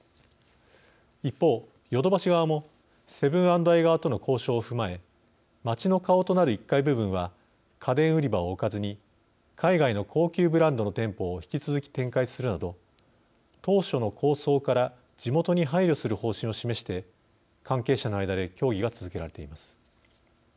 一方ヨドバシ側もセブン＆アイ側との交渉を踏まえ街の顔となる１階部分は家電売り場を置かずに海外の高級ブランドの店舗を引き続き展開するなど当初の構想から地元に配慮する方針を示して関係者の間で協議が続けられています。